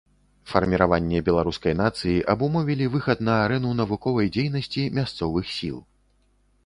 Фарміраванне беларускай нацыі абумовілі выхад на арэну навуковай дзейнасці мясцовых сіл.